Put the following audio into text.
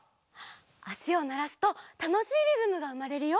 あしをならすとたのしいリズムがうまれるよ。